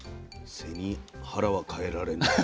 背に腹はかえられない。